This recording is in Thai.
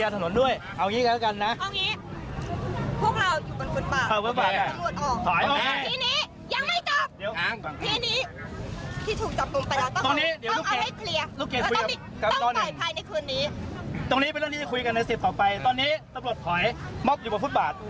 ตรงนี้เป็นเรื่องที่จะคุยกันในสิทธิ์ต่อไปตอนนี้ตำรวจถอยมอบอยู่บนฟุตบาท